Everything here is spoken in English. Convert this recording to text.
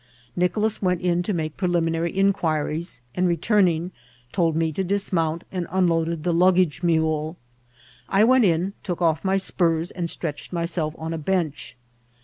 Nicolas went in to make preliminary inquiries, and returning, told me to dismoont, and unloaded the luggage mule. I went in, took off my qpurs, and stretched myself on a bench.